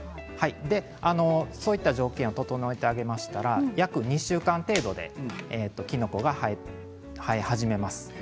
そういった条件を整えてあげると２週間程度できのこが生え始めます